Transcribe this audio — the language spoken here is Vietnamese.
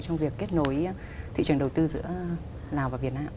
trong việc kết nối thị trường đầu tư giữa lào và việt nam